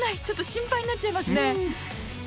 ちょっと心配になっちゃいますね。